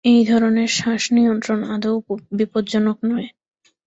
এই ধরনের শ্বাস-নিয়ন্ত্রণ আদৌ বিপজ্জনক নয়।